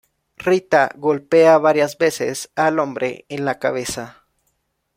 Rita golpea varias veces al hombre en la cabeza.